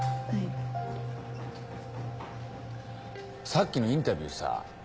さっきのインタビューさ